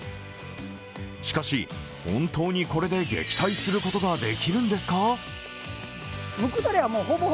しかし、本当にこれで撃退することができるんですか？